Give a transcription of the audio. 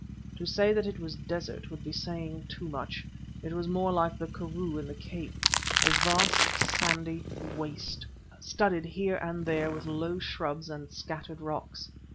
To say that it was desert would be saying too much; it was more like the Karroo in the Cape—a vast sandy waste, studded here and there with low shrubs and scattered rocks.